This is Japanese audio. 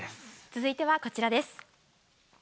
続いてはこちらです。